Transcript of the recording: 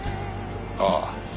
ああ。